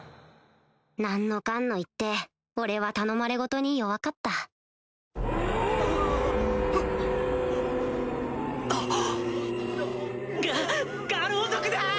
何のかんの言って俺は頼まれごとに弱かったあっ！が牙狼族だ！